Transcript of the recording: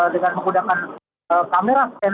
dengan menggunakan kamera scanner